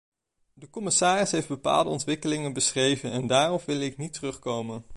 De commissaris heeft bepaalde ontwikkelingen beschreven en daarop wil ik niet terugkomen.